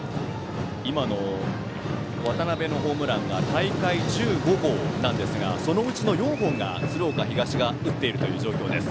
今の渡辺のホームランが大会１５号なんですがそのうちの４本が鶴岡東が打っているという状況。